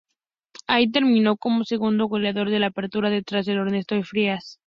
Allí terminó como segundo goleador del Apertura, detrás de Ernesto Farías.